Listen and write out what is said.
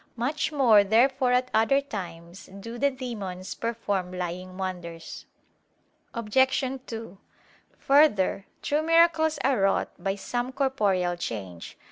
Much more therefore at other times do the demons perform lying wonders. Obj. 2: Further, true miracles are wrought by some corporeal change.